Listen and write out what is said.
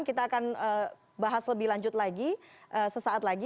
kita akan bahas lebih lanjut lagi sesaat lagi